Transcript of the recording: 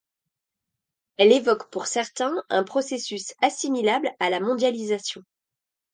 Elle évoque pour certains un processus assimilable à la mondialisation.